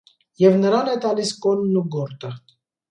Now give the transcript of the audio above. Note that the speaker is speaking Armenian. Եվ նրան է տալիս կոնն ու գորտը։